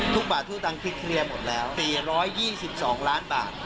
บาททุกตังค์เคลียร์หมดแล้ว๔๒๒ล้านบาท